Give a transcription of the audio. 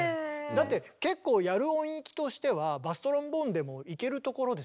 だって結構やる音域としてはバストロンボーンでもいけるところですよね？